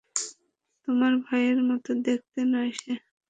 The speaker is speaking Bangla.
তোমার ভাইয়ের মতো দেখতে নয় সে।